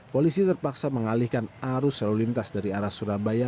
polisi terpaksa mengalihkan arus lalu lintas dari arah surabaya